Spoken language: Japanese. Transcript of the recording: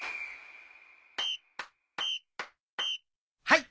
はい！